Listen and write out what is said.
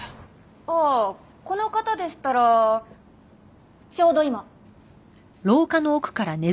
ああこの方でしたらちょうど今。